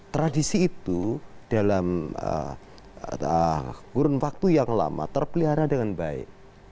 tradisi itu dalam kurun waktu yang lama terpelihara dengan baik